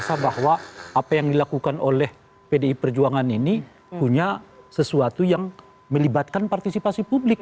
dan merasa bahwa apa yang dilakukan oleh bd perjuangan ini punya sesuatu yang melibatkan partisipasi publik